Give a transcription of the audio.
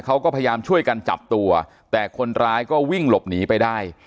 เขาก็พยายามช่วยกันจับตัวแต่คนร้ายก็วิ่งหลบหนีไปได้